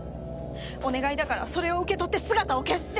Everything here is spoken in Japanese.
お願いだからそれを受け取って姿を消して！